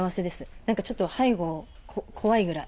なんかちょっと、背後が怖いぐらい。